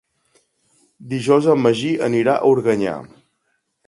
Dijous en Magí anirà a Organyà.